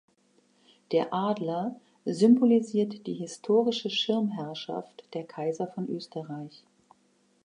Der Adler symbolisiert die historische Schirmherrschaft der Kaiser von Österreich.